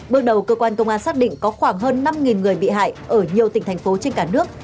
bước đầu cơ quan công an xác định có khoảng hơn năm người bị hại ở nhiều tỉnh thành phố trên cả nước